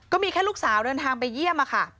ก็มีแค่ลูกสาวเดินทางไปเยี่ยมค่ะ